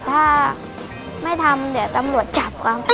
ถ้าไม่ทำเดี๋ยวตำรวจจับครับ